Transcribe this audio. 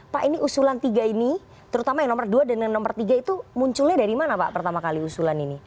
pak ini usulan tiga ini terutama yang nomor dua dan yang nomor tiga itu munculnya dari mana pak pertama kali usulan ini